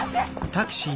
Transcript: タクシー！